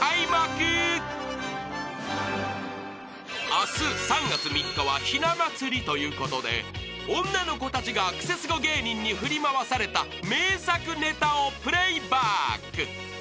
［明日３月３日はひな祭りということで女の子たちがクセスゴ芸人に振り回された名作ネタをプレーバック］